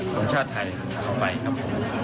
สวัสดีครับ